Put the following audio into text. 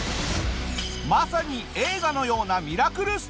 まさに映画のようなミラクルストーリー！